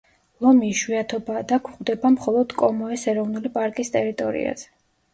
ლომი იშვიათობაა და გვხვდება მხოლოდ კომოეს ეროვნული პარკის ტერიტორიაზე.